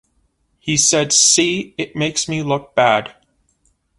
He said, See, it makes me look bad.